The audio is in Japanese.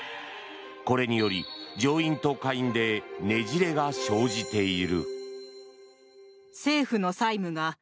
これにより、上院と下院でねじれが生じている。